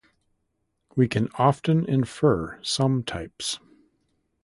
we can often infer some types